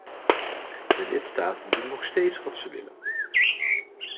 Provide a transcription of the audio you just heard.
De lidstaten doen nog steeds wat ze willen.